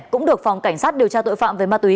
cũng được phòng cảnh sát điều tra tội phạm về ma túy